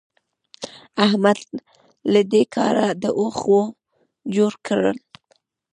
احمد له دې کاره د اوښ غوو جوړ کړل.